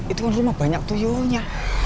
itu kan rumah banyak tuh yonya